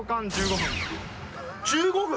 １５分！？